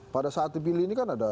pada saat dipilih ini kan ada